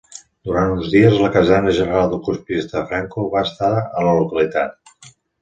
Durant uns dies, la caserna general del colpista Franco va estar a la localitat.